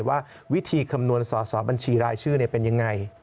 ว่าวิธีคำนวณสอสอบัญชีรายชื่อเป็นยังไง